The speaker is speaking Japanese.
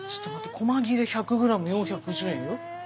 小間切れ１００ｇ４５０円よ。